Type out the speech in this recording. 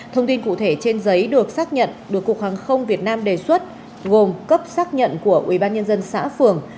thông tin cụ thể trên giấy được xác nhận được cục hàng không việt nam đề xuất gồm cấp xác nhận của ủy ban nhân dân xã phường